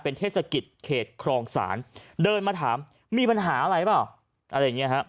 เทศกิจเขตครองศาลเดินมาถามมีปัญหาอะไรเปล่าอะไรอย่างเงี้ฮะ